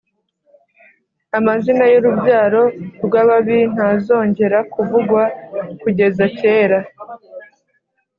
Amazina y’urubyaro rw’ababi ntazongera kuvugwa kugeza kera